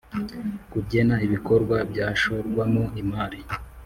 Kugena ibikorwa byashorwamo imari